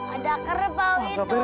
ada kerbau itu